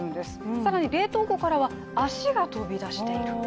更に冷凍庫からは、足が飛び出している。